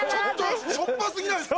しょっぱ過ぎないですか？